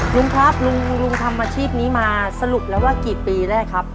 ลุงครับลุงทำอาชีพนี้มาสรุปแล้วว่ากี่ปีได้ครับ